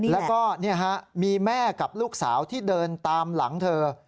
แล้วก็มีแม่กับลูกสาวที่เดินตามหลังเธอ